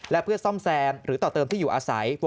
และเพื่อซ่อมแซมหรือต่อเติมที่อยู่อาศัย